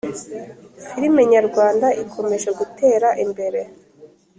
Firme nyarwanda ikomeje gutera imbere